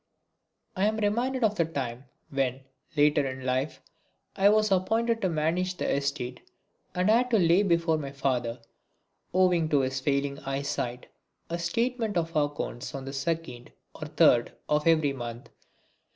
I am reminded of the time when, later in life, I was appointed to manage the estate and had to lay before my father, owing to his failing eye sight, a statement of accounts on the second or third of every month.